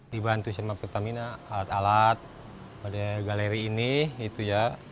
dibantu sama pertamina alat alat pada galeri ini itu ya